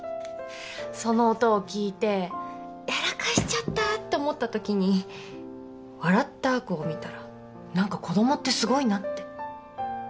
その音を聞いてやらかしちゃったって思ったときに笑った亜子を見たら何か子供ってすごいなって。